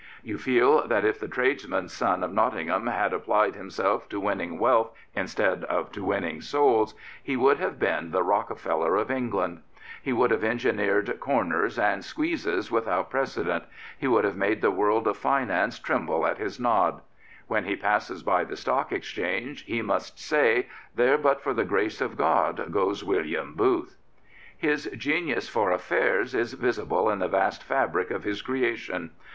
You feel that if the tradesman's son of Nottingham had applied himself to winning wealth instead of to winning souls i86 General Booth he would have been the Rockefeller of England. He would have engineered " corners and " squeezes " without precedent. He would have made the world of finance tremble at his nod. When he passes by the Stock Exchange he must say: ''There, but for the grace of God, goes William Booth.'' His genius for affairs is visible in the vast fabric of his creation.